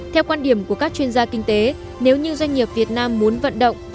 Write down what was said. theo quan điểm của các chuyên gia kinh tế nếu như doanh nghiệp việt nam muốn vận động